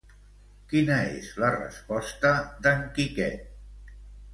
Quina és la resposta d'en Quiquet?